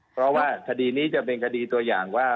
เพราะว่าคดีนี้จะเป็นคดีตัวอย่างว่า